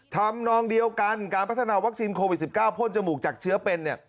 ทำนองเดียวกันการพัฒนาวัคซีนโควิด๑๙พ่นจมูกจากเชื้อเป็น